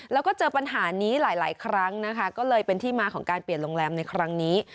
แล้วก็เจอปัญหานี้หลายครั้งนะคะก็เลยเป็นที่มาของการเปลี่ยนโรงแรมในครั้งนี้